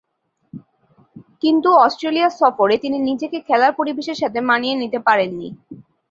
কিন্তু, অস্ট্রেলিয়া সফরে তিনি নিজেকে খেলার পরিবেশের সাথে মানিয়ে নিতে পারেননি।